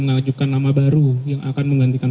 mengajukan nama baru yang akan menggantikan